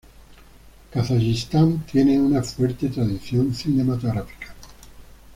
Kazajistán tiene una fuerte tradición cinematográfica.